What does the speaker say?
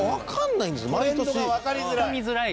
トレンドがわかりづらい。